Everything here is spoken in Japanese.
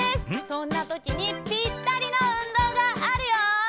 そんなときにピッタリのうんどうがあるよ！